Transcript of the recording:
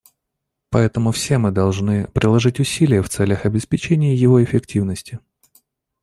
Поэтому все мы должны приложить усилия в целях обеспечения его эффективности.